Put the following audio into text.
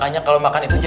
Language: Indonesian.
hai ya ya sudah kamar ya